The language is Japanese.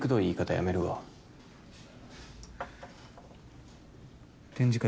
やめるわ展示会